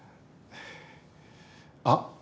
あっ！